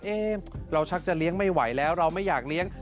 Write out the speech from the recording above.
เราชักจะเลี้ยงไม่ไหวแล้วเราไม่อยากเลี้ยง